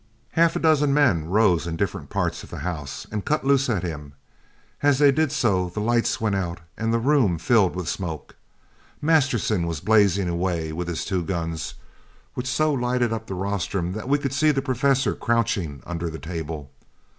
Half a dozen men rose in different parts of the house and cut loose at him, and as they did so the lights went out and the room filled with smoke. Masterson was blazing away with two guns, which so lighted up the rostrum that we could see the professor crouching under the table.